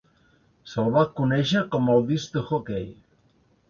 Se'l va conèixer com "el disc d'hoquei".